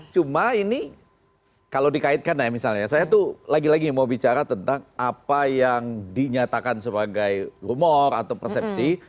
cuma ini kalau dikaitkan ya misalnya saya tuh lagi lagi mau bicara tentang apa yang dinyatakan sebagai rumor atau persepsi